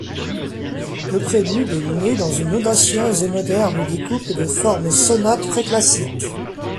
Le prélude est moulé dans une audacieuse et moderne découpe de forme sonate préclassique.